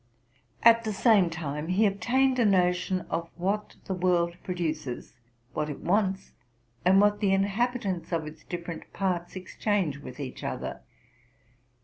At the same time, he ob tained a notion of what the world produces, what it wants, and what the inhabitants of its different parts exchange with each other.